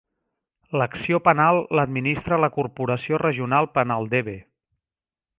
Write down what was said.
L'acció penal l'administra la Corporació Regional Penal-Debe.